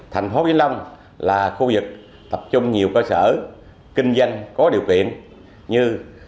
thành phố vĩnh long là khu vực tập trung nhiều cơ sở kinh doanh có điều kiện như